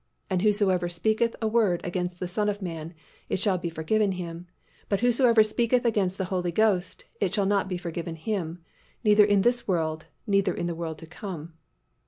And whosoever speaketh a word against the Son of man, it shall be forgiven him: but whosoever speaketh against the Holy Ghost, it shall not be forgiven him, neither in this world, neither in the world to come."